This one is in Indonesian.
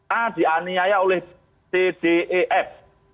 a dianiaya oleh cdef